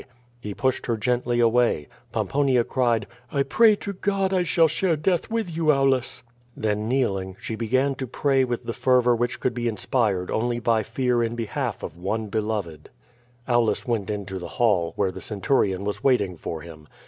He pushed her gently away. Pomi)onia cried: 36 QUO VADI8. "I pray to God I shall share death with you, Aulus/^ Then kneeling, she began to pray with the fervor which could be inspired only by fear in behalf of one beloved. Aulus went into the hall, where the centurion was waiting for him.